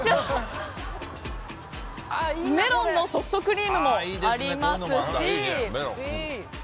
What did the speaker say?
メロンのソフトクリームもありますし。